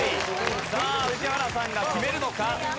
さあ宇治原さんが決めるのか？